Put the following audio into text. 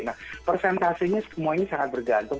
nah persentasenya semuanya sangat bergantung